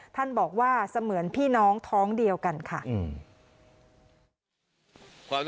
ท่านบอกว่าเสมือนพี่น้องท้องเดียวกันค่ะ